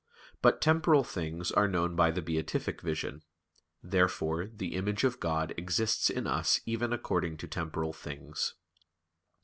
But temporal things are known by the beatific vision. Therefore the image of God exists in us even according to temporal things.